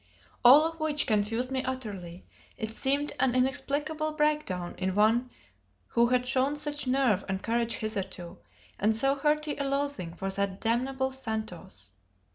All of which confused me utterly; it seemed an inexplicable breakdown in one who had shown such nerve and courage hitherto, and so hearty a loathing for that damnable Santos.